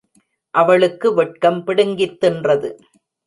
அவளுக்கு வெட்கம் பிடுங்கித் தின்றது.